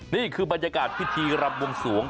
นี่คือบรรยากาศพิธีรำวงสวง